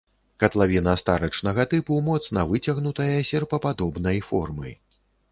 Катлавіна старычнага тыпу, моцна выцягнутая, серпападобнай формы.